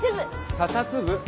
査察部